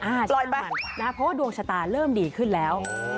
อ่าลอยไปอ่าใช่ค่ะเพราะว่าดวงชะตาเริ่มดีขึ้นแล้วโอ้โหโอ้โห